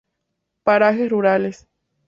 Parajes rurales